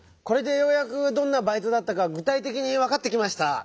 これでようやくどんなバイトだったかぐたいてきにわかってきました。